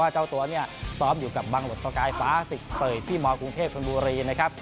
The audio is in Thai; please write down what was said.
เจ้าตัวเนี่ยซ้อมอยู่กับบังหลดประกายฟ้าสิกเสยที่มกรุงเทพธนบุรีนะครับ